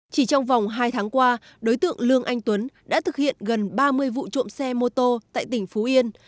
chỉ trong vòng hai tháng qua đối tượng lương anh tuấn đã thực hiện gần ba mươi vụ trộm xe mô tô tại tỉnh phú yên